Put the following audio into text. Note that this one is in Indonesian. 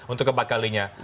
untuk keempat kalinya